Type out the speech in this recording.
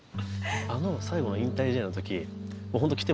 あの最後の引退試合の時。